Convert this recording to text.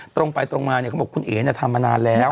ตรงไปตรงมาเขาบอกคุณเอ๋ถามมานานแล้ว